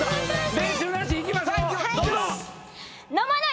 練習なしで行きましょう。